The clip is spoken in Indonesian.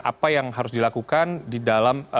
apa yang harus dilakukan di dalam